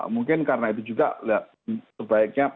mungkin karena itu juga sebaiknya